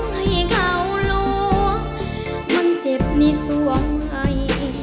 น้องให้เขารู้มันเจ็บในส่วนไข่